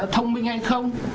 thông minh hay không